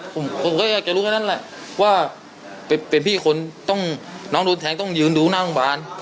ผมก็จะรู้แค่นั้นแหละว่าเป็นพี่คนน้องโดนแทงต้องยืนดูหน้าบ้าน